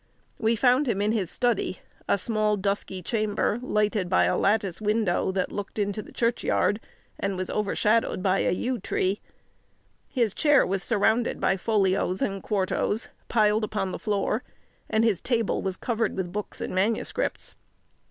We found him in his study, a small, dusky chamber, lighted by a lattice window that looked into the churchyard, and was overshadowed by a yew tree. His chair was surrounded by folios and quartos, piled upon the floor, and his table was covered with books and manuscripts.